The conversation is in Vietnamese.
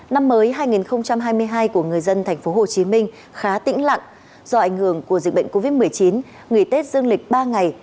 năm mới hai nghìn hai mươi hai của người dân tp hcm khá tĩnh lặng do ảnh hưởng của dịch bệnh covid một mươi chín nghỉ tết dương lịch ba ngày